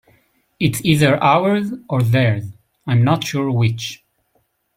It's either ours or theirs, I'm not sure which.